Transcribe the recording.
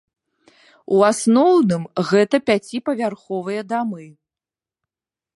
У асноўным гэта пяціпавярховыя дамы.